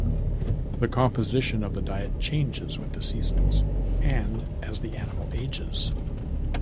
The composition of the diet changes with the seasons and as the animal ages.